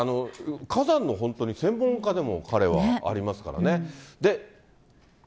火山の本当に専門家でも、彼はありますからね。